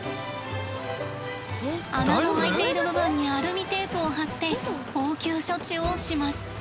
穴の開いている部分にアルミテープを貼って応急処置をします。